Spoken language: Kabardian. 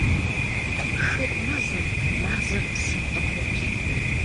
Хыр мэзым, мазэр псым къыхоплъ.